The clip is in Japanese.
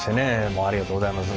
もうありがとうございます。